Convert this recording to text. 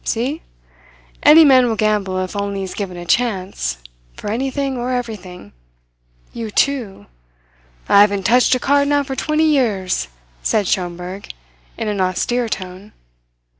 See? Any man will gamble if only he's given a chance, for anything or everything. You too " "I haven't touched a card now for twenty years," said Schomberg in an austere tone.